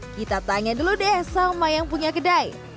kita tanya dulu deh sama yang punya kedai